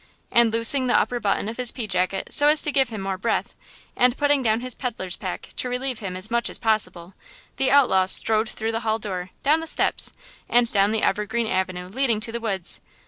And loosing the upper button of his pea jacket so as to give him more breath, and, putting down his peddler's pack to relieve himself as much as possible, the outlaw strode through the hall door, down the steps, and down the evergreen avenue leading to the woods.